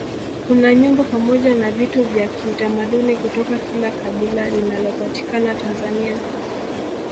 kuna nyumba pamoja na vitu vya kiutamaduni kutoka kila kabila linalopatikana tanzania